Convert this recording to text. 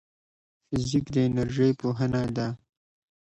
فزیک د انرژۍ پوهنه ده